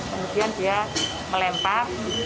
kemudian dia melempar